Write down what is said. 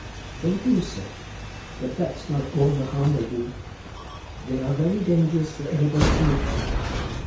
"They do, sir? but that's not all the harm they do. They are very dangerous for anybody to meet with.